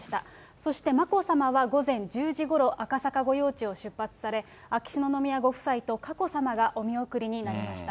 そして眞子さまは午前１０時ごろ、赤坂御用地を出発され、秋篠宮ご夫妻と佳子さまがお見送りになりました。